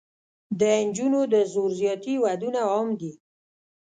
د نجونو د زور زیاتي ودونه عام دي.